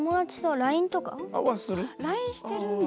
ＬＩＮＥしてるんだ。